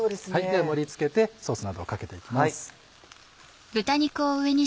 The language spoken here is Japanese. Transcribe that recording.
では盛り付けてソースなどをかけていきます。